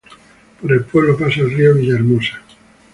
Por el pueblo pasa el río Villahermosa.